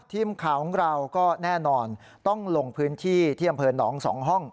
ทีมข่าวของเราก็แน่นอนต้องลงพื้นที่ที่อำเภอหนองสองห้อง